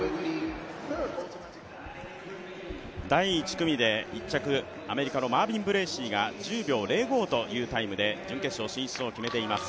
第１組で１着、アメリカのマービン・ブレーシーが１０秒０５というタイムで、準決勝進出を決めています。